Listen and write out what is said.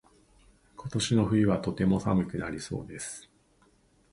今年の冬はとても寒くなりそうです。